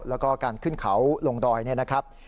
แล้วก็การขึ้นเขาลงดอยเนี่ยนะครับ